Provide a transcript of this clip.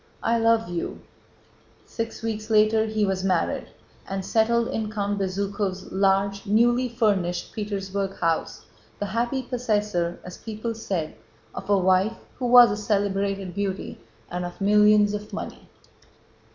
* "I love you." Six weeks later he was married, and settled in Count Bezúkhov's large, newly furnished Petersburg house, the happy possessor, as people said, of a wife who was a celebrated beauty and of millions of money.